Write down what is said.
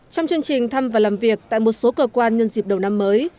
trong chương trình thăm và làm việc tại một số cơ quan nhân dịp đầu năm mới